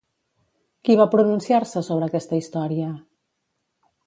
Qui va pronunciar-se sobre aquesta història?